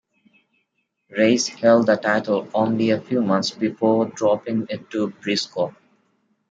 Race held the title only a few months before dropping it to Brisco.